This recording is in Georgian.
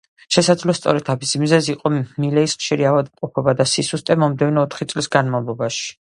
შესაძლოა, სწორედ ამის მიზეზი იყო მილეის ხშირი ავადმყოფობა და სისუსტე მომდევნო ოთხი წლის განმავლობაში.